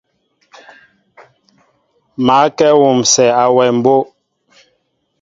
Ma kɛ wusɛ awem mbóʼ.